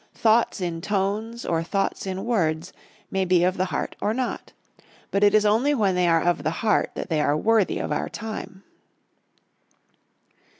Thoughts in tones or thoughts in words may be of the heart or not. But it is only when they are of the heart that they are worthy of our time.